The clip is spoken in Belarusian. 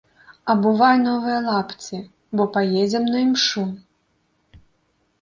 Абувай новыя лапці, бо паедзем на імшу!